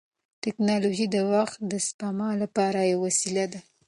ټیکنالوژي د وخت د سپما لپاره یوه وسیله ده.